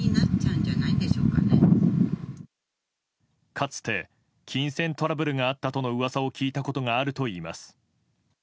かつて、金銭トラブルがあったとの噂を聞いたことがあるといいます。